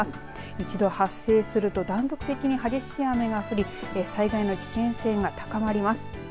一度発生すると断続的に激しい雨が降り災害の危険性が高まります。